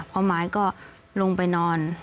เพราะไม้ก็ลงไปนอน